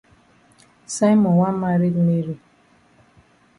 Simon wan maret Mary.